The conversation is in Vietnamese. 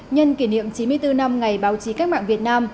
nhân kỷ niệm chín mươi bốn năm ngày báo chí cách mạng việt nam